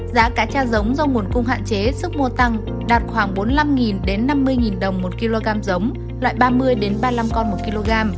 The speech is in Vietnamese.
giá cá cha giống do nguồn cung hạn chế sức mua tăng đạt khoảng bốn mươi năm năm mươi đồng một kg giống loại ba mươi ba mươi năm con một kg